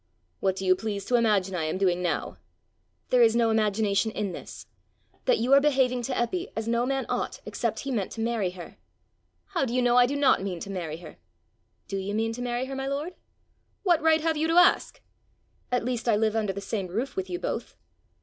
"What do you please to imagine I am doing now?" "There is no imagination in this that you are behaving to Eppy as no man ought except he meant to marry her." "How do you know I do not mean to marry her?" "Do you mean to marry her, my lord?" "What right have you to ask?" "At least I live under the same roof with you both."